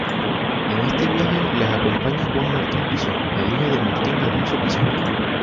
En este viaje les acompaña Juan Martín Pinzón, el hijo de Martín Alonso Pinzón.